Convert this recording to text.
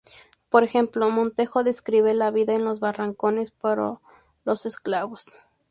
Por ejemplo Montejo describe la vida en los barracones para los esclavos.